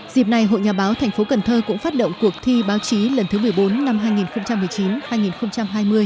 dịp này hội nhà báo tp cần thơ cũng phát động cuộc thi báo chí lần thứ một mươi bốn năm hai nghìn một mươi chín hai nghìn hai mươi